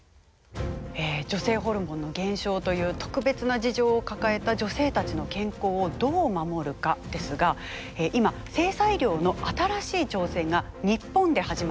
女性ホルモンの減少という特別な事情を抱えた女性たちの健康をどう守るかですが今性差医療の新しい挑戦が日本で始まっています。